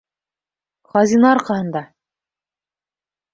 Хазина арҡаһында!